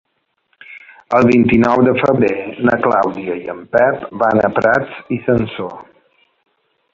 El vint-i-nou de febrer na Clàudia i en Pep van a Prats i Sansor.